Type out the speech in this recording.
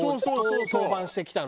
登板してきたの。